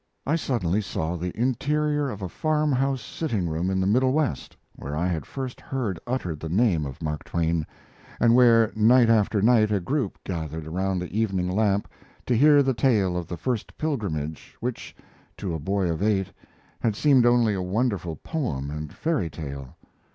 I suddenly saw the interior of a farm house sitting room in the Middle West, where I had first heard uttered the name of Mark Twain, and where night after night a group gathered around the evening lamp to hear the tale of the first pilgrimage, which, to a boy of eight, had seemed only a wonderful poem and fairy tale.